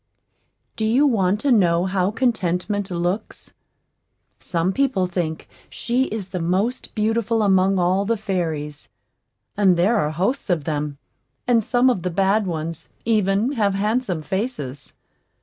Do you want to know how Contentment looks? Some people think she is the most beautiful among all the fairies; (and there are hosts of them, and some of the bad ones, even, have handsome faces.)